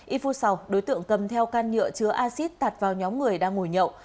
ít phút sau đối tượng cầm theo can nhựa chứa acid tạt vào nhóm người đang ngồi nhậu